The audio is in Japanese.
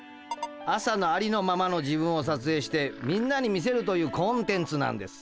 朝のありのままの自分をさつえいしてんなに見せるというコンテンツなんです。